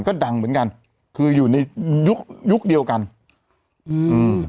ก็ดังเหมือนกันคืออยู่ในยุคยุคเดียวกันอืมอืม